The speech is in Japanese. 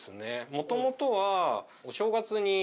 もともとは。